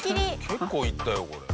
結構いったよこれ。